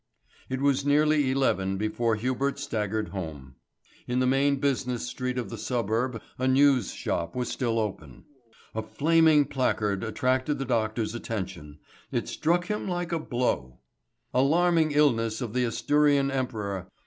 It was nearly eleven before Hubert staggered home. In the main business street of the suburb a news shop was still open. A flaming placard attracted the doctor's attention. It struck him like a blow. "Alarming illness of the Asturian Emperor.